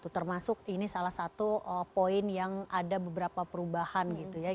termasuk ini salah satu poin yang ada beberapa perubahan